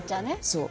そう